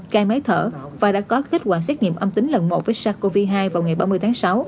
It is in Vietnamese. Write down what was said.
cai máy thở và đã có kết quả xét nghiệm âm tính lần một với sars cov hai vào ngày ba mươi tháng sáu